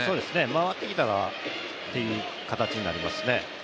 回ってきたらっていう形になりますね。